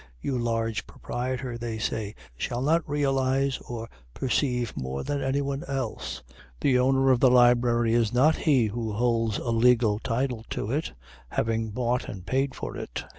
You large proprietor, they say, shall not realize or perceive more than anyone else. The owner of the library is not he who holds a legal title to it, having bought and paid for it.